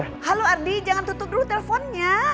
halo ardi jangan tutup dulu teleponnya